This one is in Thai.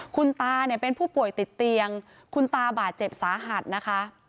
คุณตาเนี่ยเป็นผู้ป่วยติดเตียงคุณตาบาดเจ็บสาหัสนะคะ